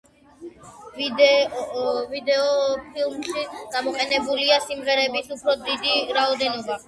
ვიდეოფილმში გამოყენებულია სიმღერების უფრო დიდი რაოდენობა.